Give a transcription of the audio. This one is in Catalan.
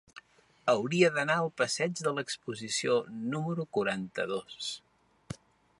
Hauria d'anar al passeig de l'Exposició número quaranta-dos.